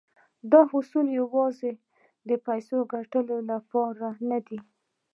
دغه اصول يوازې د پيسو ګټلو لپاره نه دي.